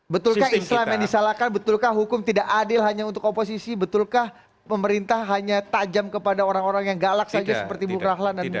betulkah islam yang disalahkan betulkah hukum tidak adil hanya untuk oposisi betulkah pemerintah hanya tajam kepada orang orang yang galak saja seperti bung rahlan dan bung